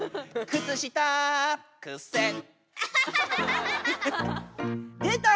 「靴下くせっ」